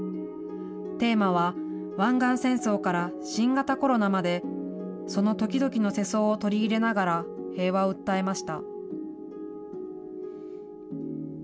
テーマは湾岸戦争から、新型コロナまでその時々の世相を取り入れながら、平和を訴えました。